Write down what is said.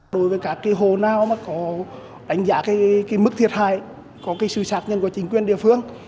đối với các hồ nào có đánh giá mức thiệt hại có sự sạc nhân của chính quyền địa phương